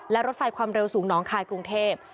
และรถไฟความเร็วสูงน้องคายกรุงเทพ